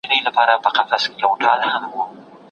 آیا سیاست په رښتیا یو علم دی؟